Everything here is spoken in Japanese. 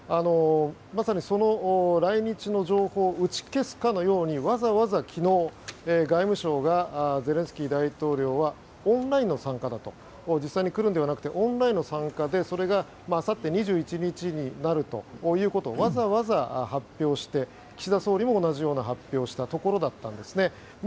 まさに、その来日の情報を打ち消すかのようにわざわざ昨日外務省がゼレンスキー大統領はオンラインの参加だと実際に来るのではなくてオンラインの参加でそれが、あさって２１日になるということをわざわざ発表して岸田総理も、同じような発表をしたところだったんですね。